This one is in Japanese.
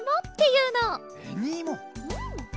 うん。